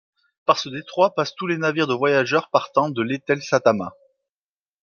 Par ce détroit passent tous les navires de voyageurs partant de l'Eteläsatama.